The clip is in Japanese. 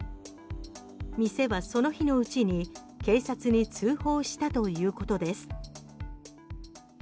店はその日のうちに警察に通報したということです。